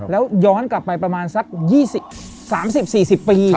แล้วย้อนกลับไป๒๐๓๐๔๐ปี